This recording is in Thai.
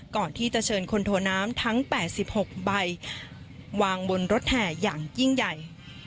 ก่อนที่จะเชิญคนโทน้ำทั้ง๘๖ใบวางบนรถแห่อย่างยิ่งใหญ่